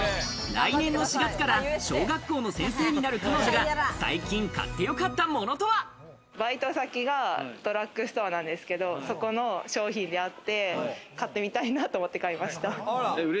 来年の４月から小学校の先生になる彼女が、バイト先がドラッグストアなんですけど、そこの商品であって、買ってみたいなと思って買いました。